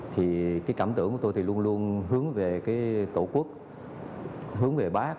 thì cái cảm tưởng của tôi thì luôn luôn hướng về cái tổ quốc hướng về bác